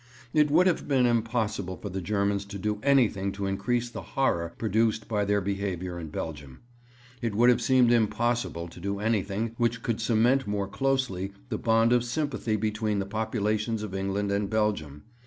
'It would have seemed impossible for the Germans to do anything to increase the horror produced by their behaviour in Belgium. It would have seemed impossible to do anything which could cement more closely the bond of sympathy between the populations of England and Belgium.